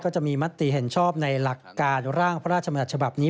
จะมีมติเห็นชอบในหลักการร่างพระราชมัญญัติฉบับนี้